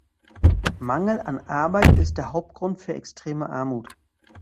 Mangel an Arbeit ist der Hauptgrund für extreme Armut.